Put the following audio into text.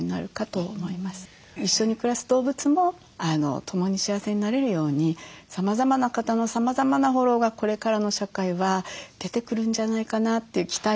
一緒に暮らす動物も共に幸せになれるようにさまざまな方のさまざまなフォローがこれからの社会は出てくるんじゃないかなという期待をすごくしております。